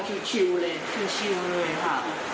คือชิลเลยคือชิลเลยครับมาก็พูดทักทายเป็นปกติลูกค้าปกติ